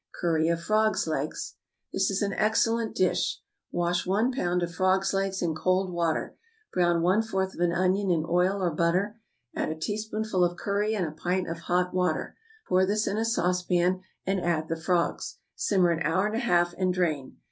=Curry of Frogs' Legs.= This is an excellent dish. Wash one pound of frogs' legs in cold water; brown one fourth of an onion in oil or butter; add a teaspoonful of curry and a pint of hot water; pour this in a saucepan, and add the frogs; simmer an hour and a half, and drain.